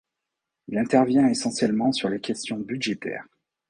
Il intervient essentiellement sur les questions budgétaires.